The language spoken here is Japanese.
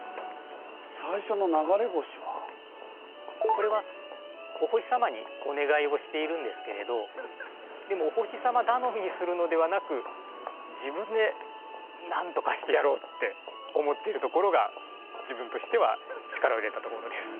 最初のこれはおほしさまにお願いをしているんですけれどでもおほしさまだのみにするのではなく自分でなんとかしてやろうって思ってるところが自分としては力を入れたところです。